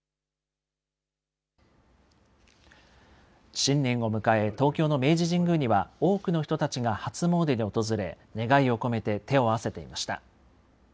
新年を迎え、東京の明治神宮には、多くの人たちが初詣に訪れ、願いを込めて手を合わせていました。